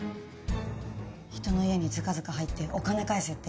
人の家にずかずか入ってお金返せって。